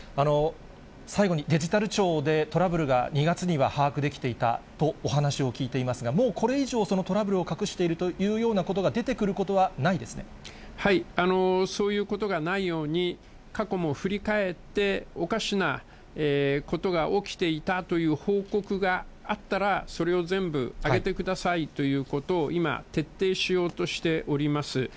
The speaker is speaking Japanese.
最後にデジタル庁でトラブルが２月には把握できていたとお話を聞いていますが、もうこれ以上、そのトラブルを隠しているというようなことが出てくることはないそういうことがないように、過去も振り返って、おかしなことが起きていたという報告があったら、それを全部上げてくださいということを、今、徹底しようとしております。